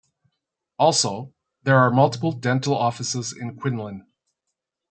Also, there are multiple dental offices in Quinlan.